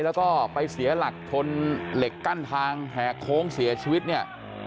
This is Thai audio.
แล้วก็ไปเสียหลักชนเหล็กกั้นทางแหกโค้งเสียชีวิตเนี่ย